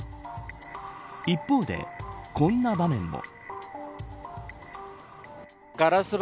一方でこんな場面も。